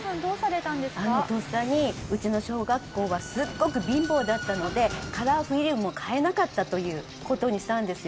とっさにうちの小学校はすっごく貧乏だったのでカラーフィルムを買えなかったという事にしたんですよ。